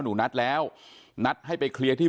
หนูนัดแล้วนัดให้ไปเคลียร์ที่